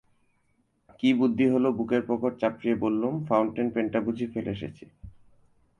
কী বুদ্ধি হল বুকের পকেট চাপড়িয়ে বললুম, ফাউন্টেন পেনটা বুঝি ফেলে এসেছি।